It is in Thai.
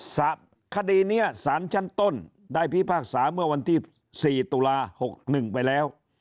คดีนี้สารชั้นต้นได้พิพากษาเมื่อวันที่๔ตุลา๖๑ไปแล้ว